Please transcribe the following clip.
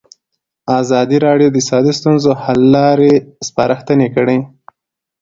ازادي راډیو د اقتصاد د ستونزو حل لارې سپارښتنې کړي.